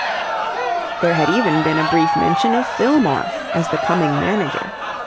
There had even been a brief mention of Fillmore as the coming manager.